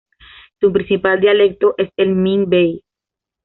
Su principal dialecto es el Min Bei.